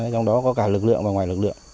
trong đó có cả lực lượng và ngoài lực lượng